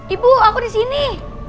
ibu aku di sini